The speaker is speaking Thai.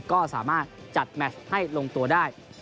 ก็สามารถจัดแมชให้ลงตัวได้